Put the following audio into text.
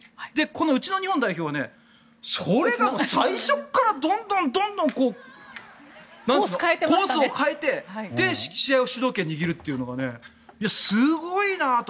うちの日本代表はそれを最初からどんどんコースを変えて試合の主導権を握るというのがすごいなと。